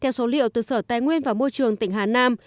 theo số liệu từ sở tài nguyên và môi trường tỉnh hà nam